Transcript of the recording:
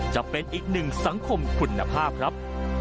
จะเป็นอีกหนึ่งสังคมคุณภาพครับ